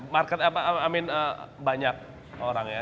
market apa i mean banyak orang ya